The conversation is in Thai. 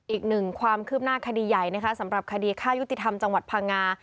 อีก๑ความคืบหน้าคดีใหญ่สำหรับคดีฆ่ายุติธรรมจังหวัดพะงา